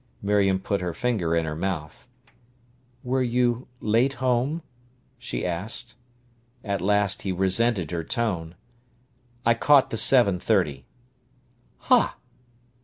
Miriam put her finger in her mouth. "Were you late home?" she asked. At last he resented her tone. "I caught the seven thirty." "Ha!"